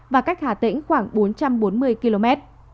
và cách hà tĩnh khoảng bốn trăm bốn mươi km